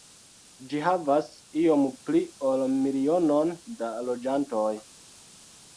Ĝi havas iom pli ol milionon da loĝantoj.